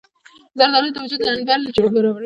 زردالو د وجود لندبل برابروي.